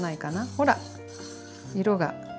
ほら色が。